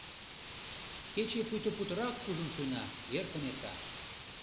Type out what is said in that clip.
Кече пуйто путырак кужун шуйна, эркын эрта.